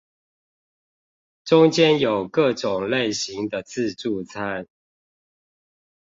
中間有各種類型的自助餐